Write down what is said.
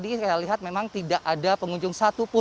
nah di sana tadi saya lihat memang tidak ada pengunjung satu pun